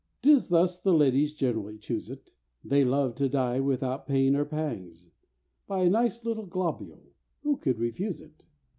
"'Tis thus the ladies generally choose it; They love to die without pain or pangs By a nice little globule—who could refuse it?